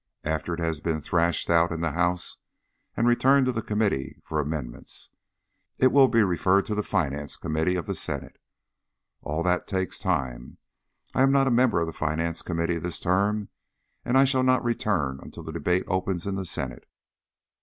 After it has been thrashed out in the House and returned to the Committee for amendments, it will be referred to the Finance Committee of the Senate. All that takes time. I am not a member of the Finance Committee this term, and I shall not return until the debate opens in the Senate.